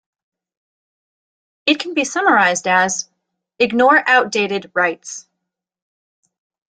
It can be summarized as "ignore outdated writes".